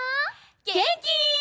げんき？